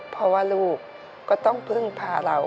เพราะว่าลูกก็ต้องพึ่งพาเรา